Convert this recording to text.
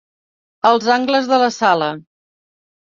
Els angles de la sala.